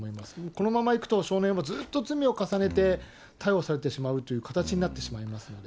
このままいくと、少年はずっと罪を重ねて、逮捕されてしまうという形になってしまいますので。